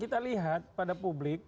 kita lihat pada publik